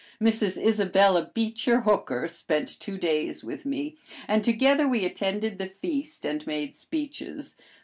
Mrs. Isabella Beecher Hooker spent two days with me, and together we attended the feast and made speeches.